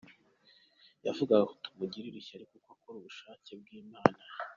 Yavugaga ko tumugirira ishyari kuko akora ubushake bw’Imana.